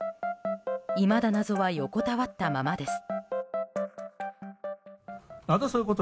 いまだ謎は横たわったままです。